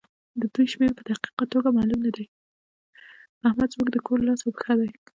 احمد زموږ د کور لاس او پښه دی.